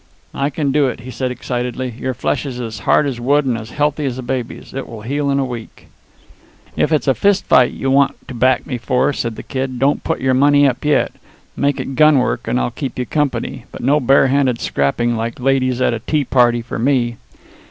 "I can do it," he said excitedly. "Your flesh is as hard as wood and as healthy as a baby's. It will heal in a week." "If it's a fist fight you want to back me for," said the Kid, "don't put your money up yet. Make it gun work, and I'll keep you company. But no barehanded scrapping, like ladies at a tea party, for me."